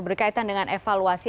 berkaitan dengan evaluasi